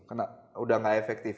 karena sudah tidak efektif